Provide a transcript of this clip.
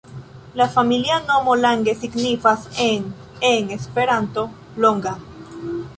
La familia nomo Lange signifas en en Esperanto ’’’longa’’’.